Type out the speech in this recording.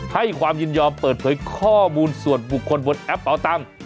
ให้ความยินยอมเปิดเผยข้อมูลส่วนบุคคลบนแอปเป่าตังค์